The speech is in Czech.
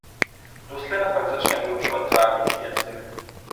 Rostlina pak začne vylučovat trávicí enzymy.